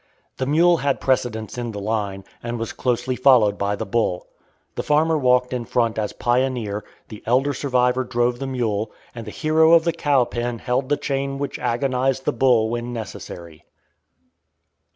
The mule had precedence in the line, and was closely followed by the bull. The farmer walked in front as pioneer, the elder survivor drove the mule, and the hero of the cow pen held the chain which agonized the bull when necessary.